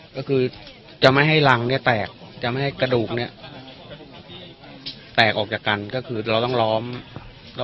ก็คือจะไม่ให้รังเนี่ยแตกจะไม่ให้กระดูกเนี่ยแตกออกจากกันก็คือเราต้องล้อม